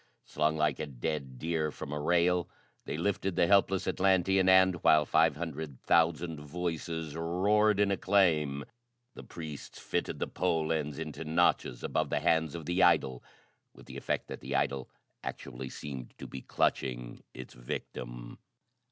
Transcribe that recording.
Slung like a dead deer from a rail, they lifted the helpless Atlantean, and, while five hundred thousand voices roared in acclaim the priests fitted the pole ends into notches above the hands of the idol with the effect that the idol actually seemed to be clutching its victim.